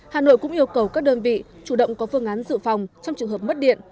hà nội cũng yêu cầu các đơn vị chủ động có phương án dự phòng trong trường hợp mất điện